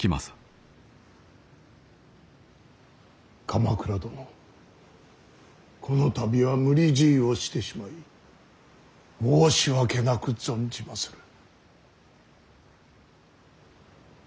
鎌倉殿この度は無理強いをしてしまい申し訳なく存じまする。